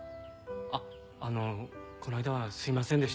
あっあのこの間はすいませんでした。